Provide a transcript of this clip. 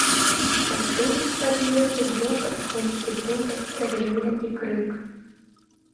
Пачуўся з пад лесу грукат, конскі тупат, страляніна і крык.